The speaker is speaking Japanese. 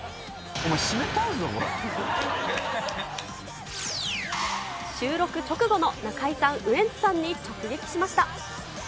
お前、収録直後の中居さん、ウエンツさんに直撃しました。